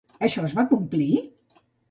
Això es va complir?